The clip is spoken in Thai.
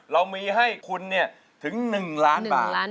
เรามีให้คุณถึง๑ล้านบาท